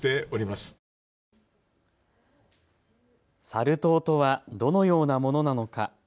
サル痘とはどのようなものなのか。